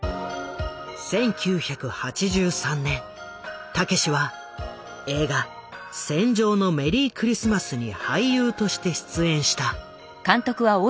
１９８３年たけしは映画「戦場のメリークリスマス」に俳優として出演した。